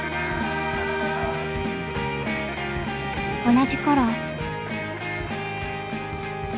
同じ頃。